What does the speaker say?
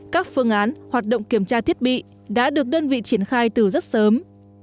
các phương án hoạt động kiểm tra thiết bị đã được đơn vị triển khai từ rất sớm